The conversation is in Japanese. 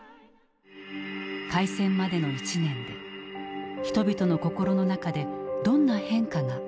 開戦までの１年で人々の心の中でどんな変化があったのか。